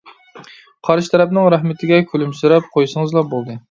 قارشى تەرەپنىڭ رەھمىتىگە كۈلۈمسىرەپ قويسىڭىزلا بولدى.